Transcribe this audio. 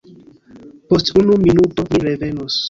Post unu minuto mi revenos.